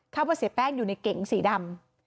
ว่าเสียแป้งอยู่ในเก๋งสีดำ